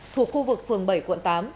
thuộc khu vực phường bảy quận tám